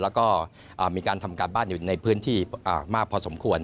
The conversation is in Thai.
แล้วก็มีการทำการบ้านอยู่ในพื้นที่มากพอสมควร